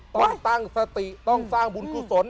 ต้องตั้งสติต้องสร้างบุญกุศล